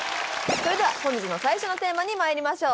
それでは本日の最初のテーマにまいりましょう！